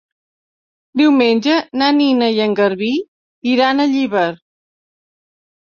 Diumenge na Nina i en Garbí iran a Llíber.